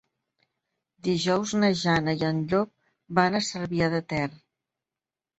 Dijous na Jana i en Llop van a Cervià de Ter.